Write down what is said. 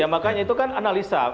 makanya itu kan analisa